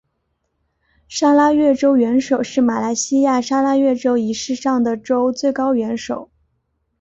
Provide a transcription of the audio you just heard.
砂拉越州元首是马来西亚砂拉越州仪式上的州最高元首。